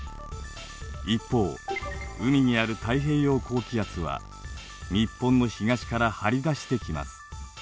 一方海にある太平洋高気圧は日本の東から張り出してきます。